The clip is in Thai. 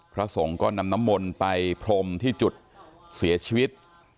พระสงฆ์ก็นำน้ำมนต์ไปพรมที่จุดเสียชีวิต